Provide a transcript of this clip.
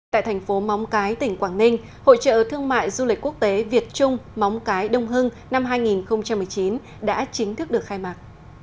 tại thành phố móng cái tỉnh quảng ninh hội trợ thương mại du lịch quốc tế việt trung móng cái đông hưng năm hai nghìn một mươi chín đã chính thức được khai mạc